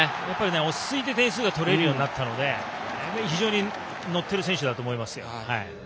落ち着いて点数が取れるようになったので非常に乗ってる選手だと思います。